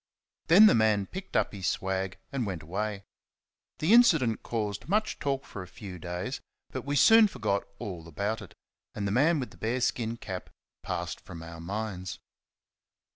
Then the man picked up his swag and went away. The incident caused much talk for a few days, but we soon forgot all about it; and the man with the bear skin cap passed from our minds.